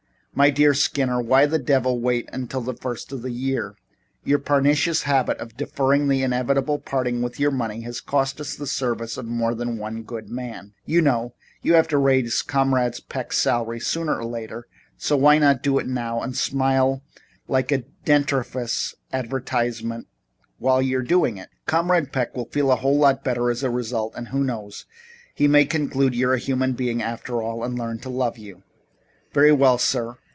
"My dear Skinner, why the devil wait until the first of the year? Your pernicious habit of deferring the inevitable parting with money has cost us the services of more than one good man. You know you have to raise Comrade Peck's salary sooner or later, so why not do it now and smile like a dentifrice advertisement while you're doing it? Comrade Peck will feel a whole lot better as a result, and who knows? He may conclude you're a human being, after all, and learn to love you?" "Very well, sir.